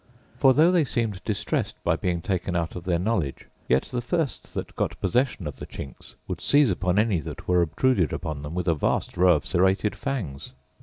For though they seemed distressed by being taken out of their knowledge, yet the first that got possession of the chinks would seize upon any that were obtruded upon them with a vast row of serrated fangs.